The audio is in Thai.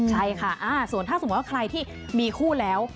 ใช่ค่ะส่วนถ้าสมมุติว่าใครที่มีคู่แล้ว